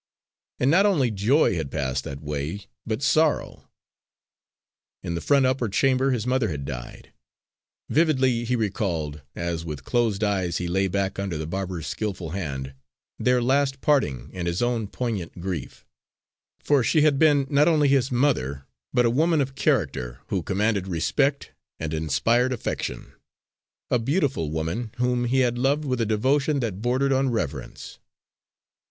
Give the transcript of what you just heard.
And not only joy had passed that way, but sorrow. In the front upper chamber his mother had died. Vividly he recalled, as with closed eyes he lay back under the barber's skilful hand, their last parting and his own poignant grief; for she had been not only his mother, but a woman of character, who commanded respect and inspired affection; a beautiful woman whom he had loved with a devotion that bordered on reverence.